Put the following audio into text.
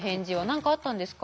何かあったんですか？